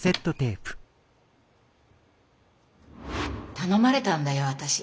頼まれたんだよ私。